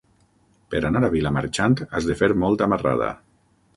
Per anar a Vilamarxant has de fer molta marrada.